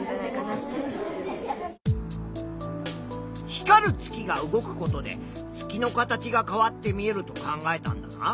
光る月が動くことで月の形が変わって見えると考えたんだな。